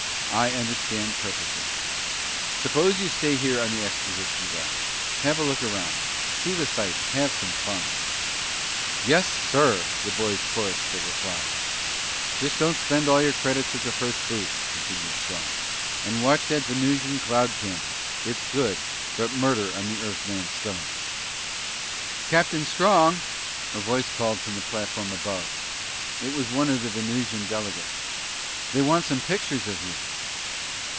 "I understand perfectly. Suppose you stay here on the exposition grounds. Have a look around. See the sights, have some fun." "Yes, sir!" The boys chorused their reply. "Just don't spend all your credits at the first booth," continued Strong. "And watch that Venusian cloud candy. It's good, but murder on the Earthman's stomach." "Captain Strong!" A voice called from the platform above. It was one of the Venusian delegates. "They want some pictures of you!"